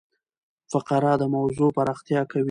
فقره د موضوع پراختیا کوي.